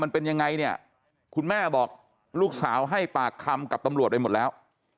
พูดข่าวให้ปากคำกับตำรวจไว้หมดแล้ว